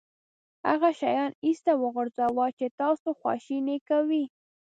هغه شیان ایسته وغورځوه چې تاسو خواشینی کوي.